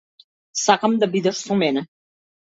Сакам да бидеш со мене.